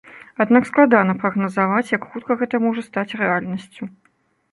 Аднак складана прагназаваць, як хутка гэта можа стаць рэальнасцю.